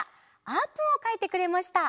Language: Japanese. あーぷんをかいてくれました。